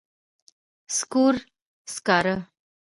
سکور، سکارۀ